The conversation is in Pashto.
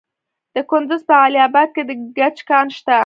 د کندز په علي اباد کې د ګچ کان شته.